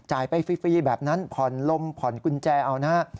ไปฟรีแบบนั้นผ่อนลมผ่อนกุญแจเอานะฮะ